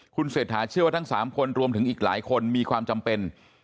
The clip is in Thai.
คุณเศรษฐาเชื่อว่าทั้ง๓คนรวมถึงอีกหลายคนมีความจำเป็น